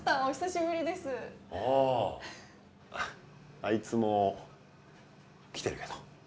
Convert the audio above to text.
あいつも来てるけど。